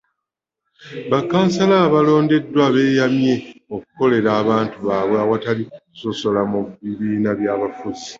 Bakansala abaalondeddwa beeyamye okukolera abantu baabwe awatali kusosola mu bibiina byabufuzi.